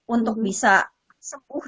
untuk bisa sembuh